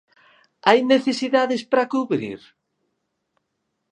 ¿Hai necesidades para cubrir?